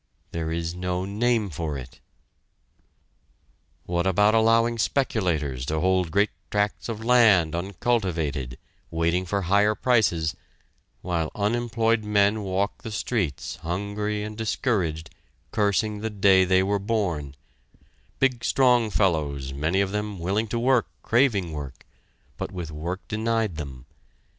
There is no name for it! What about allowing speculators to hold great tracts of land uncultivated, waiting for higher prices, while unemployed men walk the streets, hungry and discouraged, cursing the day they were born: big strong fellows many of them, willing to work, craving work, but with work denied them.